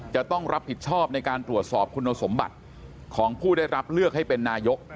จะต้องรับผิดชอบในการตรวจสอบคุณสมบัติของผู้ได้รับเลือกให้เป็นนายก